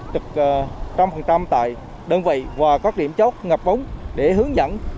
trực trăm phần trăm tại đơn vị và các điểm chốt ngập bóng để hướng dẫn